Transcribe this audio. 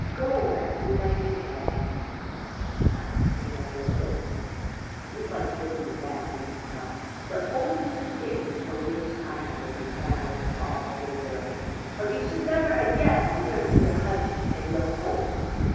Go as soon as you like. 271 MY BOOK HOUSE But remember this — you must bring me back when you come, the only two things for which I have a desire in all the world, or you shall never again return to your husbands and your home!'